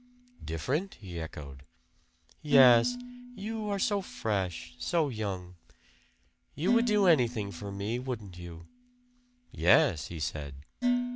"Different?" he echoed. "Yes. You are so fresh so young. You would do anything for me, wouldn't you?" "Yes," he said.